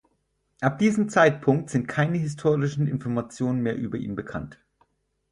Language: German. Ab diesem Zeitpunkt sind keine historischen Informationen mehr über ihn bekannt.